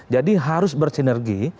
jadi harus bersinergi